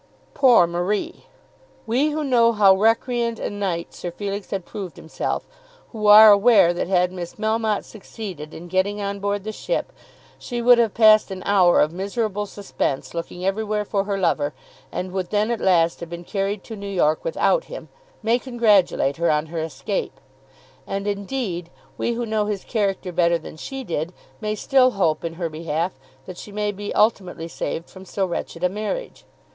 Poor Marie! We who know how recreant a knight Sir Felix had proved himself, who are aware that had Miss Melmotte succeeded in getting on board the ship she would have passed an hour of miserable suspense, looking everywhere for her lover, and would then at last have been carried to New York without him, may congratulate her on her escape. And, indeed, we who know his character better than she did, may still hope in her behalf that she may be ultimately saved from so wretched a marriage.